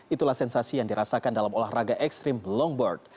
itulah sensasi yang dirasakan dalam olahraga ekstrim longboard